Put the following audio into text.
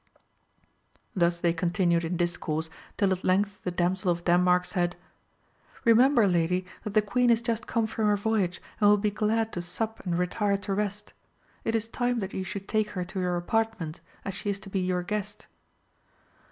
Thus they continued in discourse till at length the Damsel of Denmark said, Eemember lady that the queen is just come from her voyage, and wiU be glad to sup and retire to rest ; it is time that you should take her to your apartment, as she is to be your guest.